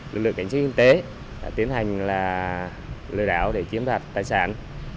lực lượng cảnh sát kinh tế đã tiến hành lừa đảo để chiếm đoạt tài sản